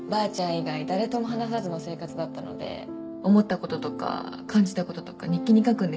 以外誰とも話さずの生活だったので思ったこととか感じたこととか日記に書くんですね